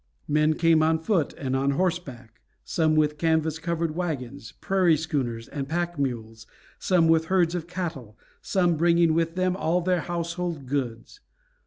Men came on foot and on horseback; some with canvas covered wagons, prairie schooners, and pack mules; some with herds of cattle; some bringing with them all their household goods.